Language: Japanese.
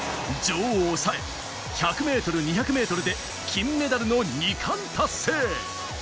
女王を抑え、１００ｍ２００ｍで金メダルの二冠達成。